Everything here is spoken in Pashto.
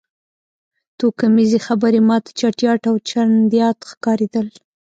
توکمیزې خبرې ما ته چټیات او چرندیات ښکارېدل